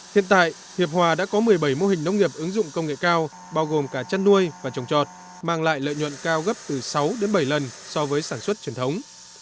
hiện tại hiệp hòa đã có một mươi bảy mô hình nông nghiệp ứng dụng công nghệ cao bao gồm cả chăn nuôi và trồng trọt mang lại lợi nhuận cao gấp từ sáu đến bảy lần so với sản xuất truyền thống